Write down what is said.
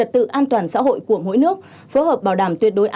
cần phát huy vai trò đầu mối